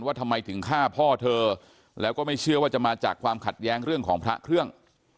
ทำไมถึงฆ่าพ่อเธอแล้วก็ไม่เชื่อว่าจะมาจากความขัดแย้งเรื่องของพระเครื่อง